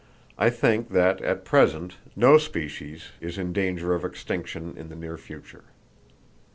I think that at present no species is in danger of extinction in the near future.